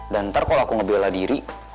ntar kalau aku ngebela diri